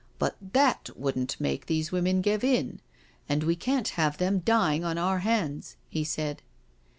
" But that wouldn't make these women give in, and we can't have them dying on our hands," he said.